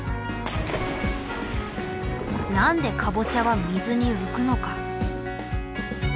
何でかぼちゃは水に浮くのか。